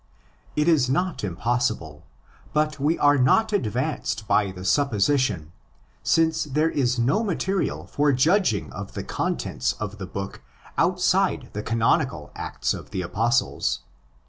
It is not impossible; but we are not advanced by the supposition, since there 18 no material for judging of the contents of the book outside the canonical Acts of the Apostles.